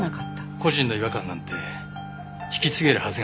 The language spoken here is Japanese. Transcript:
個人の違和感なんて引き継げるはずがありません。